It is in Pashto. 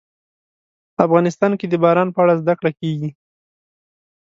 افغانستان کې د باران په اړه زده کړه کېږي.